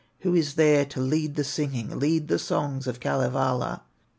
Who is there to lead the singing, Lead the songs of Kalevala?